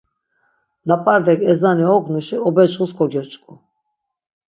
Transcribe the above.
Lap̆ardek ezani ognuşi obecğus kogyoç̆k̆u.